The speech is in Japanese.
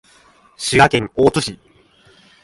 滋賀県大津市